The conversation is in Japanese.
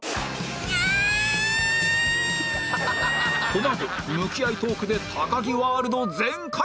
このあと向き合いトークで高木ワールド全開！